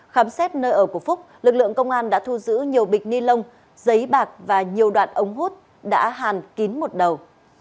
khám xét nơi ở của phúc lực lượng công an đã thu giữ nhiều bịch ni lông giấy bạc và nhiều đoạn ống hút đã hàn kín một đầu